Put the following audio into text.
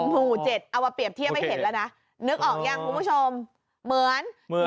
หูเจ็ดเอาว่าเปรียบเทียบไม่เห็นแล้วนะนึกออกยังคุณผู้ชมเหมือนเหมือน